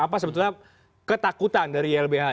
apa sebetulnya ketakutan dari ylbh